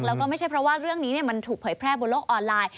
แล้วก็ไม่ใช่เพราะว่าเรื่องนี้มันถูกเผยแพร่บนโลกออนไลน์